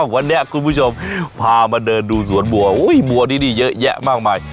วันนี้คุณผู้ชมพามาเดินดูสวนวัวที่นี่เยอะแยะมากมาย